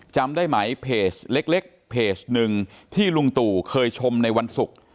จำได้ไหมเพจเล็กเพจหนึ่งที่ลุงตู่เคยชมในวันศุกร์